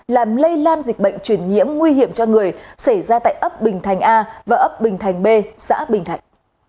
làm lây lan dịch bệnh truyền nhiễm nguy hiểm cho người xảy ra tại ấp bình thành a và ấp bình thành b xã bình thạnh